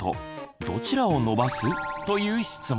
どちらを伸ばす？という質問。